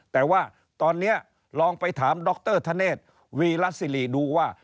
แต่ว่าตอนนี้ลองไปถามดรธเนธวีรสิริดูว่า